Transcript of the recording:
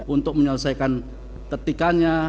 untuk menyelesaikan ketikanya